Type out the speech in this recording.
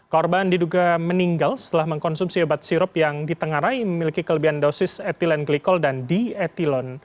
korban diduga meninggal setelah mengkonsumsi obat sirup yang ditengarai memiliki kelebihan dosis etilen glikol dan dietillon